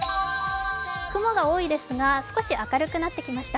雲が多いですが少し明るくなってきました。